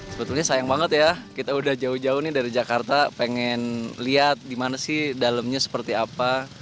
sebetulnya sayang banget ya kita udah jauh jauh nih dari jakarta pengen lihat di mana sih dalamnya seperti apa